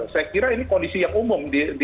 saya kira ini kondisi yang umum